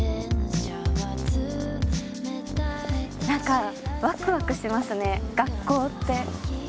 なんかワクワクしますね学校って。